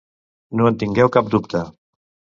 No en tingueu cap dubte.